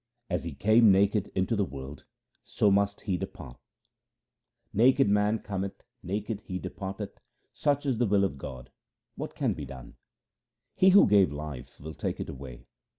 As he came naked into the world, so must he depart :— Naked man cometh, naked he departeth — such is the will of God ; what can be done ? He who gave life will take it away.